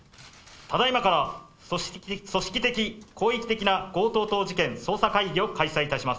ただいまから、組織的・広域的な強盗等事件捜査会議を開催いたします。